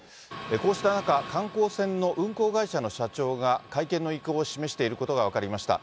こうした中、観光船の運航会社の社長が、会見の意向を示していることが分かりました。